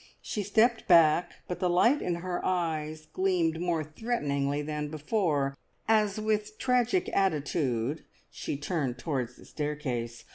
She stepped back, but the light in her eyes gleamed more threateningly than before, as with tragic attitude she turned towards the staircase.